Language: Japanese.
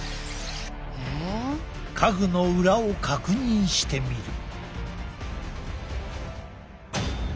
家具の裏を確認してみる。